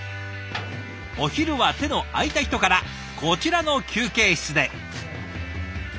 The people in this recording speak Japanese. お昼は手の空いた人からこちらの休憩室で。